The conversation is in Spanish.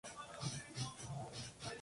Congreso de la Unión casi con la Av.